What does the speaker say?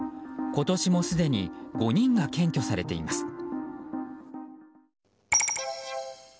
今年もすでに５人が検挙されています。